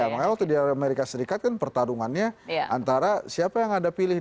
makanya waktu di amerika serikat kan pertarungannya antara siapa yang anda pilih